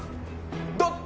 どっち？